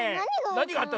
なにがあった？